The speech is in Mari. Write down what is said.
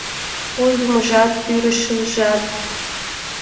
Ой, Юмыжат, пӱрышыжат